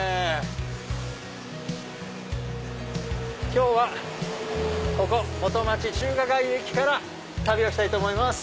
今日はここ元町・中華街駅から旅をしたいと思います。